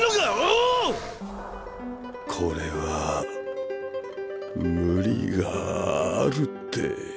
これは無理があるって。